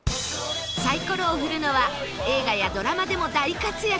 サイコロを振るのは映画やドラマでも大活躍